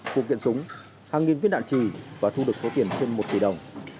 phụ kiện súng hàng nghìn viết đạn trì và thu được số tiền trên một triệu đồng